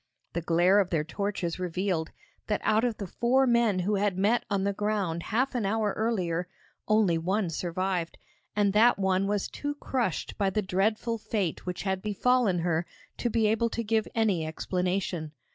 The glare of their torches revealed that out of the four men who had met on the ground half an hour earlier only one survived, and that one was too crushed by the dreadful fate which had befallen her to be able to give any explanation.